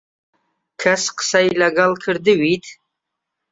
کەس قسەی لەگەڵ کردوویت؟